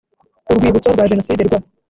urwibutso rwa jenoside rwa